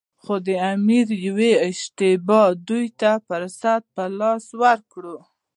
خو د امیر یوې اشتباه دوی ته فرصت په لاس ورکړ.